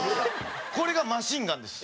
これがマシンガンです。